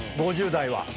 ５０代は。